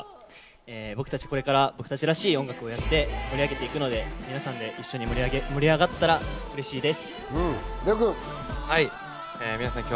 僕たち、これから僕たちらしい音楽をやって盛り上げていくので皆さんと一緒に盛り上げられたら嬉しいです。